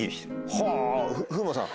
風磨さん。